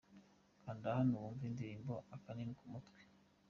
Kanda hano wumve indirimbo Akanini k'umutwe.